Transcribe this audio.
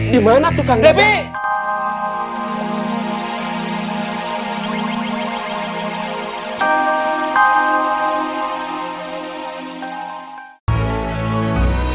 dimana tuh kak dadang